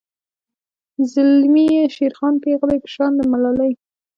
زلمي یی شیرخان پیغلۍ په شان د ملالۍ